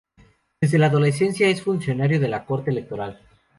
Desde la adolescencia es funcionario de la Corte Electoral.